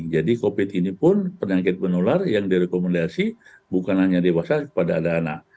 jadi covid ini pun penyakit menular yang direkomendasi bukan hanya dewasa kepada anak anak